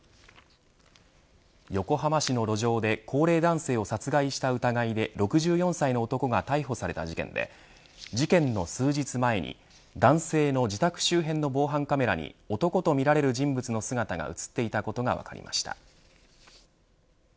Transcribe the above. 横浜市の路上で高齢男性を殺害した疑いで６４歳の男が逮捕された事件で事件の数日前に男性の自宅周辺の防犯カメラに男とみられる人物の姿が映っていたことが分かりました。